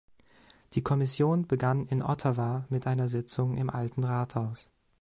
Die Kommission begann in Ottawa mit einer Sitzung im Alten Rathaus.